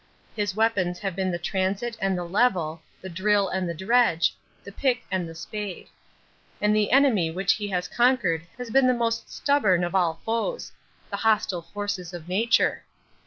His weapons have been the transit and the level, the drill and the dredge, the pick and the spade; and the enemy which he has conquered has been the most stubborn of all foes the hostile forces of Nature....